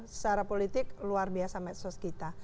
secara politik luar biasa medsos kita